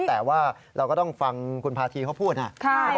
แต่ว่าเราก็ต้องฟังคุณพาธีเขาพูดนะ